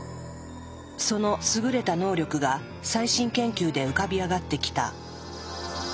その優れた能力が最新研究で浮かび上がってきた。